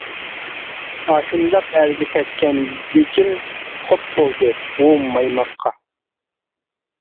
-ئاشۇنداق ئەرگە تەگكەندىكىن خوپ بولدى ئۇ مايماققا.